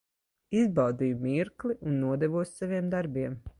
Izbaudīju mirkli un nodevos saviem darbiem.